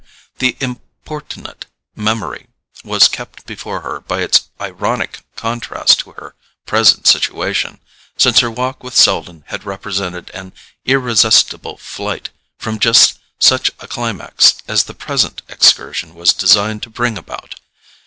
The importunate memory was kept before her by its ironic contrast to her present situation, since her walk with Selden had represented an irresistible flight from just such a climax as the present excursion was designed to bring about.